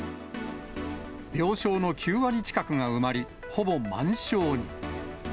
病床の９割近くが埋まり、ほぼ満床に。